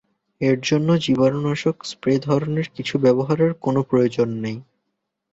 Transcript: এর জন্য জীবাণুনাশক স্প্রে ধরনের কিছু ব্যবহারের কোনো প্রয়োজন নেই।